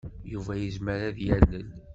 Yuba yezmer ad d-yalel.